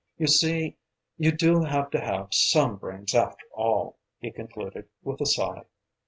"You see you do have to have some brains after all," he concluded with a sigh.